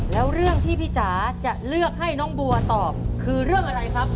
แล้วเรื่องที่พี่จ๋าจะเลือกให้น้องบัวตอบคือเรื่องอะไรครับ